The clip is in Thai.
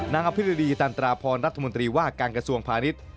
นางพิตดีธันดรพรรัฐมนตรีวาการกระทรวงพาณิชย์